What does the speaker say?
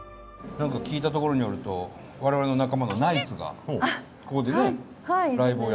聞いたところによると我々の仲間のナイツがここでねライブをやったと。